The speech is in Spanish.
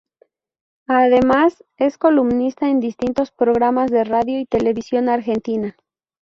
Además, es columnista en distintos programas de radio y televisión argentina.